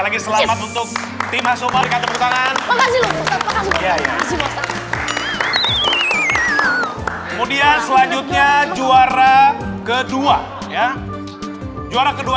lagi selamat untuk tim haso mereka kebutuhan kemudian selanjutnya juara kedua ya juara kedua